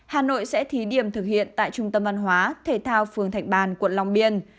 hà nội sẽ thí điểm thực hiện tại trung tâm văn hóa thể thao phường thạch bàn quận long biên